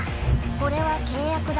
これは契約だ。